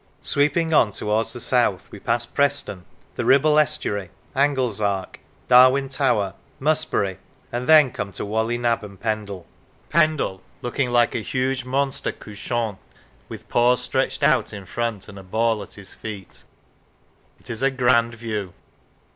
Sweeping on towards the south we pass Preston, the Ribble estuary, Anglezark, Darwen Tower, Musbury, and then come to Whalley Nab and Pendle Pendle, looking like a 218 Longridge huge monster couchant, with paws stretched out in front, and a ball at his feet. It is a grand view.